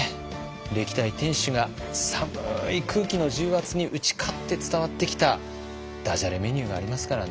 歴代店主が寒い空気の重圧に打ち勝って伝わってきたダジャレメニューがありますからね。